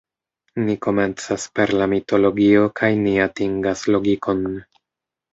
Ni komencas per la mitologio kaj ni atingas logikon.